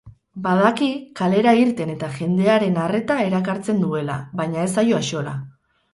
Badaki kalera irten eta jendearen arreta erakartzen duela, baina ez zaio axola.